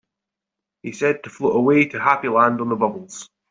He said to float away to Happy Land on the bubbles.